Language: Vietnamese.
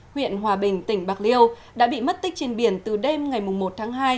huyện hòa bình tỉnh bạc liêu đã bị mất tích trên biển từ đêm ngày một tháng hai